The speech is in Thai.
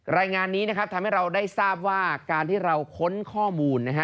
รายงานนี้นะครับทำให้เราได้ทราบว่าการที่เราค้นข้อมูลนะฮะ